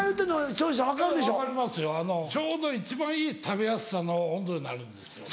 ちょうど一番いい食べやすさの温度になるんですよね。